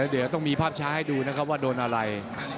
เดี๋ยวต้องมีภาพช้าให้ดูนะครับว่าโดนอะไร